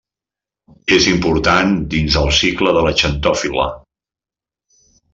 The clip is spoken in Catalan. És important dins el cicle de la xantofil·la.